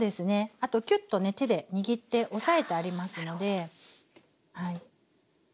あとキュッとね手で握って押さえてありますのではい。